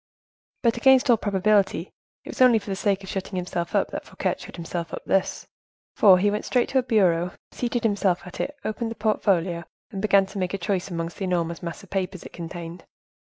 But, against all probability, it was only for the sake of shutting himself up that Fouquet shut himself up thus, for he went straight to a bureau, seated himself at it, opened the portfolio, and began to make a choice amongst the enormous mass of papers it contained.